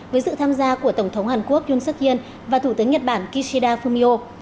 với sự tham gia của tổng thống hàn quốc yun suk yên và thủ tướng nhật bản kishida fumio